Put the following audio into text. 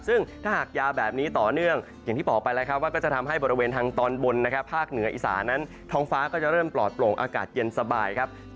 ซึ่งถ้าหากยาวแบบนี้ต่อเนื่องอย่างที่บอกไปแล้วครับว่าก็จะทำให้บริเวณทางตอนบนนะครับภาคเหนืออีสานั้นท้องฟ้าก็จะเริ่มปลอดโปร่งอากาศเย็นสบายครับ